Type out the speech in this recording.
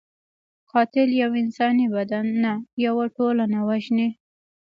قاتل یو انساني بدن نه، یو ټولنه وژني